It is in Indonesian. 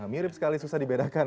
mirip sekali susah dibedakan